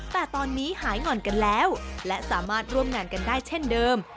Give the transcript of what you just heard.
แต่ตอนนี้หายหง่อนกันแล้วและสามารถร่วมงานกันได้เช่นเดิม